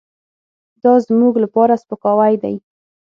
دازموږ لپاره سپکاوی دی .